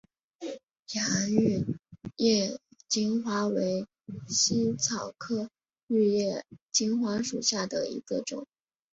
洋玉叶金花为茜草科玉叶金花属下的一个种。